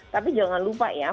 tapi jangan lupa ya